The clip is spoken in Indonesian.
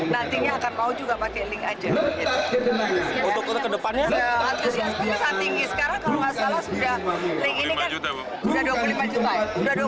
ya atasnya sepuluh saat tinggi sekarang kalau nggak salah link ini kan sudah dua puluh lima juta